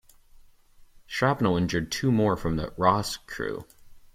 Shrapnel injured two more from "Ross"' crew.